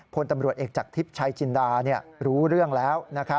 พลตำรวจเอกจากทิพย์ชัยจินดารู้เรื่องแล้ว